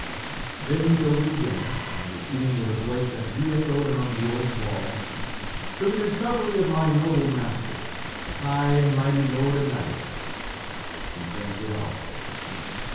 Then he filled it again, and repeating with a voice that re echoed among the old walls, "To the recovery of my noble master, the high and mighty lord of Nideck," he drained it also.